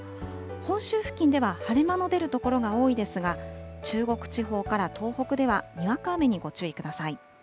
本州付近では、晴れ間の出る所が多いですが、中国地方から東北では、にわか雨にご注意ください。